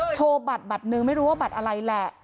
โชว์บัตรบัตรหนึ่งไม่รู้ว่าบัตรอะไรแหละ